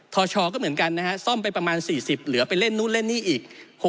ชชก็เหมือนกันนะฮะซ่อมไปประมาณ๔๐เหลือไปเล่นนู่นเล่นนี่อีก